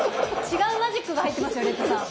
違うマジックが入ってますよレッドさん。